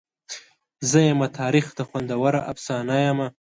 زده یمه تاریخ ته خوندوره افسانه یمه.